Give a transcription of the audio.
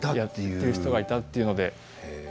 やってる人がいたという。